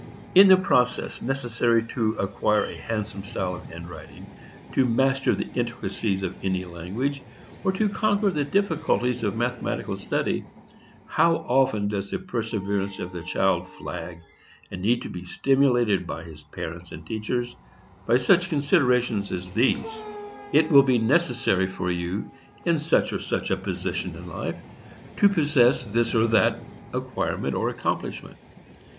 In the process necessary to acquire a handsome style of hand writing, to master the intricacies of any language, or to conquer the difficulties of mathematical study, how often does the perseverance of the child flag, and need to be stimulated by his parents and teachers by such considerations as these: "It will be necessary for you, in such or such a position in life, to possess this or that acquirement or accomplishment.